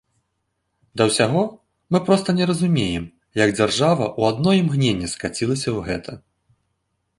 Да ўсяго, мы проста не разумеем, як дзяржава ў адно імгненне скацілася ў гэта.